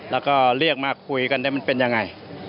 แล้วก็เรียกมาคุยกันได้มันเป็นยังไง